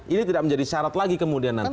ini tidak menjadi syarat lagi kemudian nanti